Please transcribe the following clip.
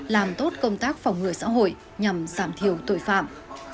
làm tốt công tác phòng ngừa xã hội nhằm giảm thiểu tội phạm